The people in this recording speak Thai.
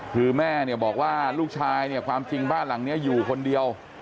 คือแม่เนี่ยบอกว่าลูกชายเนี่ยความจริงบ้านหลังนี้อยู่คนเดียว